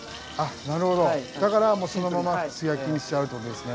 なるほどだからもうそのまま素焼きにしちゃうってことですね。